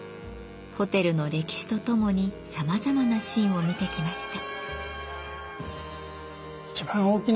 ホテルの歴史とともにさまざまなシーンを見てきました。